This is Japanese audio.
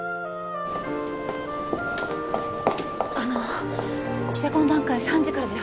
あの記者懇談会３時からじゃ？